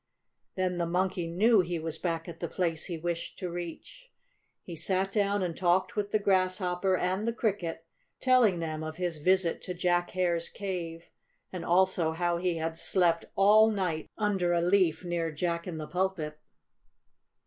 Then the Monkey knew he was back at the place he wished to reach. He sat down and talked with the Grasshopper and the Cricket, telling them of his visit to Jack Hare's cave, and also how he had slept all night under a leaf near Jack in the Pulpit.